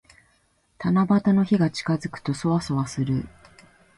七夕の日が近づくと、そわそわする。